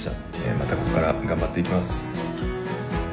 またここから頑張っていきます。